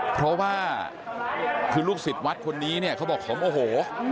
เพราะว่าคือลูกศิษย์วัดคนนี้เนี่ยเขาบอกเขาโมโห